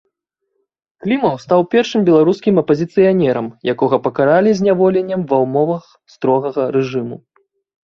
Клімаў стаў першым беларускім апазіцыянерам, якога пакаралі зняволеннем ва ўмовах строгага рэжыму.